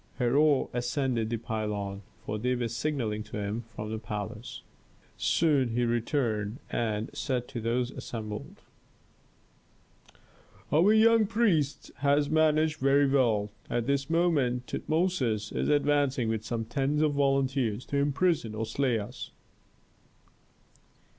Herhor ascended the pylon, for they were signalling to him from the palace. Soon he returned and said to those assembled: "Our young priest has managed very well. At this moment Tutmosis is advancing with some tens of volunteers to imprison or slay us."